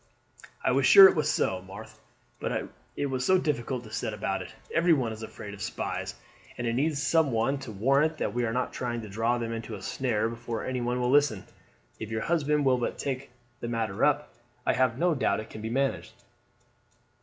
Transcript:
"I was sure it was so, Marthe, but it was so difficult to set about it. Everyone is afraid of spies, and it needs some one to warrant that we are not trying to draw them into a snare, before anyone will listen. If your husband will but take the matter up, I have no doubt it can be managed."